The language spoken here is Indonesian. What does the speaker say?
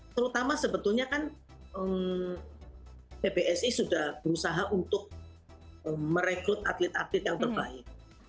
terutama sebetulnya kan pbsi sudah berusaha untuk merekrut atlet atlet yang terbaik